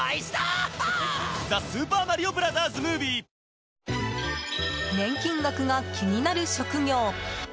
ぷはーっ年金額が気になる職業。